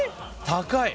高い！